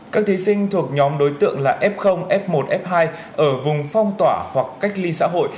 các thí sinh thuộc nhóm đối tượng là f f một f hai ở vùng phong tỏa hoặc cách ly xã hội